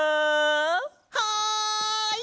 はい！